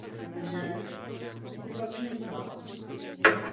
Ve vesmíru byla dvakrát.